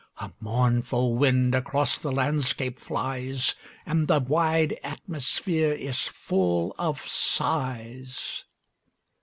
A mournful wind across the landscape flies, And the wide atmosphere is full of sighs.